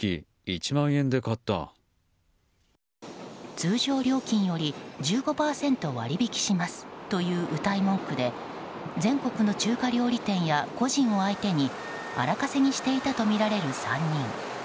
通常料金より１５％割り引きしますといううたい文句で全国の中華料理店や個人を相手に荒稼ぎしていたとみられる３人。